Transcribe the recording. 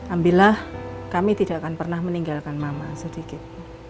ambillah kami tidak akan pernah meninggalkan mama sedikit